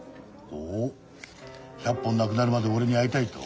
おおっ１００本なくなるまで俺に会いたいと？